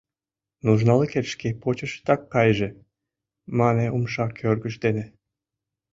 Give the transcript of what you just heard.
— Нужналыкет шке почешетак кайыже, — мане умша кӧргыж дене.